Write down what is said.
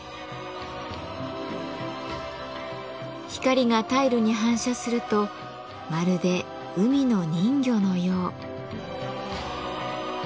光がタイルに反射するとまるで海の人魚のよう。